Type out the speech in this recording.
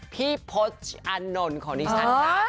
พี่โฟช์อันนนท์ขออนุญาตภาพภารกรณ์